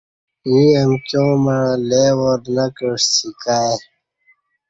ییں امکیاں مع لئی وار نہ کعسی کائی